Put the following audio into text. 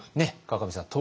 河上さん。